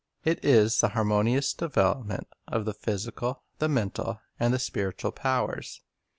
It is the harmonious devel opment of the physical, the mental, and the spiritual powers.